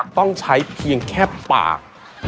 โดยคุณทั้ง๒คนจะต้องใช้เพียงแค่ปาก